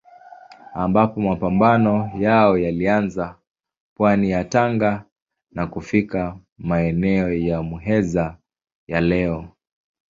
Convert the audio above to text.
Ambapo mapambano yao yalianza pwani ya Tanga na kufika maeneo ya Muheza ya leo.